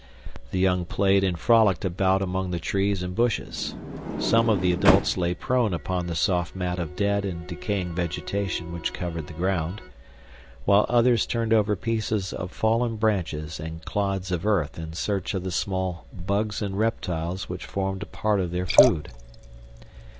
The young played and frolicked about among the trees and bushes. Some of the adults lay prone upon the soft mat of dead and decaying vegetation which covered the ground, while others turned over pieces of fallen branches and clods of earth in search of the small bugs and reptiles which formed a part of their food.